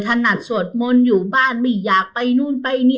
ถนัดสวดมนต์อยู่บ้านไม่อยากไปนู่นไปนี่